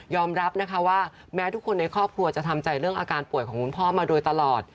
รับนะคะว่าแม้ทุกคนในครอบครัวจะทำใจเรื่องอาการป่วยของคุณพ่อมาโดยตลอด